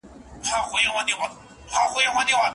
آیا طبیعي پېښې تر انساني پېښو لویي دي؟